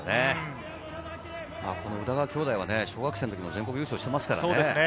宇田川君は小学生の時も全国優勝していますからね。